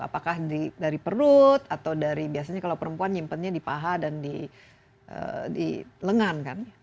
apakah dari perut atau dari biasanya kalau perempuan nyimpannya di paha dan di lengan kan